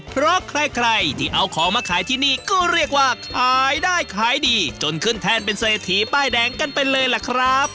เพราะใครที่เอาของมาขายที่นี่ก็เรียกว่าขายได้ขายดีจนขึ้นแทนเป็นเศรษฐีป้ายแดงกันไปเลยล่ะครับ